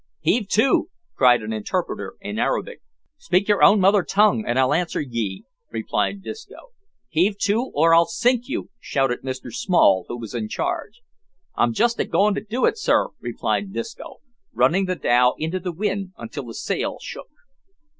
"Heave to," cried an interpreter in Arabic. "Speak your own mother tongue and I'll answer ye," replied Disco. "Heave to, or I'll sink you," shouted Mr Small, who was in charge. "I'm just agoin' to do it, sir," replied Disco, running the dhow into the wind until the sail shook.